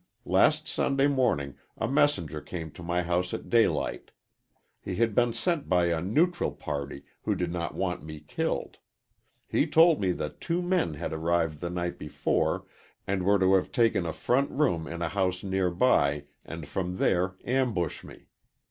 "Last Sunday morning a messenger came to my house at daylight. He had been sent by a neutral party who did not want me killed. He told me that two men had arrived the night before and were to have taken a front room in a house near by and from there ambush me.